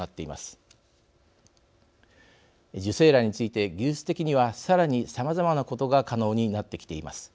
受精卵について技術的にはさらにさまざまなことが可能になってきています。